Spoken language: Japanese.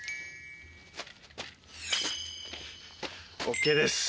ＯＫです